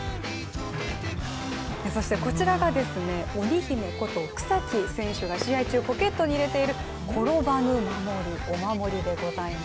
そしてこちらが鬼姫こと草木選手が試合中、ポケットに入れている転ばぬ守、お守りでございます。